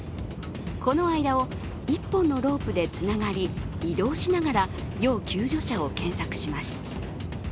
この間を１本のロープでつながり移動しながら要救助者を検索します。